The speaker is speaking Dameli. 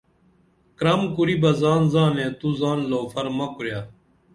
کرَم کُری بہ زان زانے تو زان لوفر مہ کُرے